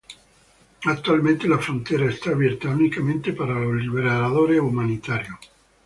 Actualmente la frontera está abierta únicamente para los liberadores humanitarios.